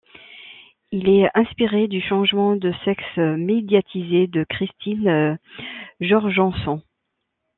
Il est inspiré du changement de sexe médiatisé de Christine Jorgensen.